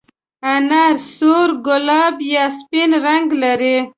انار سور، ګلابي یا سپین رنګ لري.